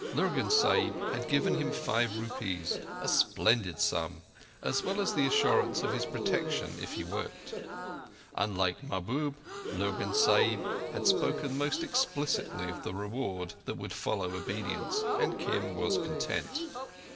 Lurgan Sahib had given him five rupees—a splendid sum—as well as the assurance of his protection if he worked. Unlike Mahbub, Lurgan Sahib had spoken most explicitly of the reward that would follow obedience, and Kim was content.